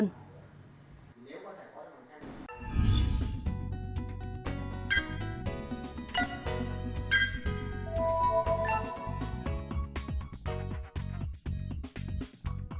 nếu có thể bỏ ra bằng cách này thì có thể bỏ ra bằng cách này